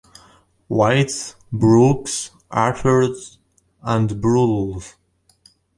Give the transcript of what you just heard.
White's, Brooks's, Arthur's, and Boodle's.